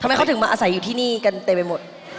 ทำไมเขาถึงมาอาศัยอยู่ที่นี่กันเต็มไปหมด